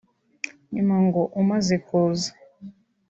nyuma ngo umaze kuza